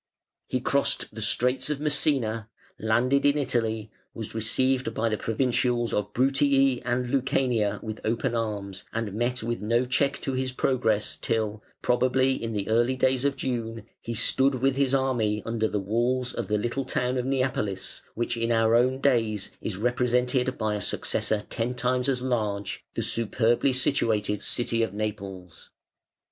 He crossed the Straits of Messina, landed in Italy, was received by the provincials of Bruttii and Lucania with open arms, and met with no check to his progress till, probably in the early days of June, he stood with his army under the walls of the little town of Neapolis, which in our own days is represented by a successor ten times as large, the superbly situated city of Naples.